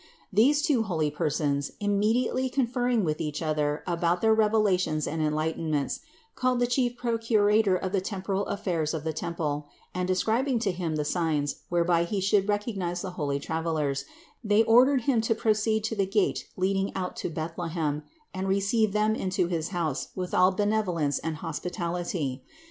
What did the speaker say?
These two holy persons, immediately conferring with each other about their revelations and enlighten ments, called the chief procurator of the temporal affairs of the temple, and, describing to him the signs, whereby he should recognize the holy Travelers, they ordered him to proceed to the gate leading out to Bethlehem and re ceive them into his house with all benevolence and hos pitality.